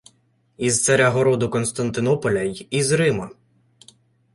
— Із царя-городу Константинополя й із Рима.